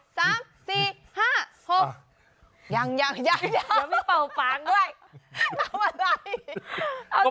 ยังยังยังยังเดี๋ยวมีเป่าปากด้วยเอาอะไรเอาตรงนี้กี่ทางเหรอ